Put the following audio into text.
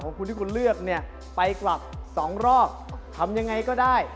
ของคุณที่คุณเลือกเนี่ยไปกลับสองรอบทำยังไงก็ได้